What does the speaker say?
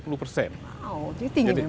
jadi tinggi memang